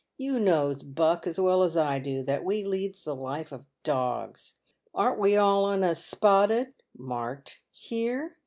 Tou knows, Buck, as well as I do, that we leads the life of dogs. Arn't we all on us spotted (marked) here